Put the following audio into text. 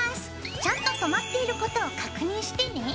ちゃんと止まっていることを確認してね。